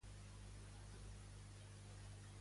De qui està enamorada Bradamante?